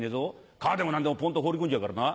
川でも何でもポンっと放り込んじゃうからな」。